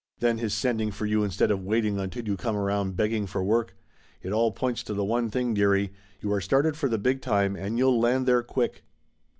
Then his sending for you instead of wait ing until you come around begging for work! It all points to the one thing, dearie. You are started for the big time, and you'll land there quick."